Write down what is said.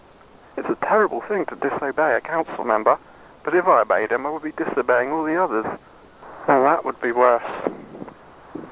It's a terrible thing to disobey a council member. But if I obeyed him, I would be disobeying all the others. And that would be worse.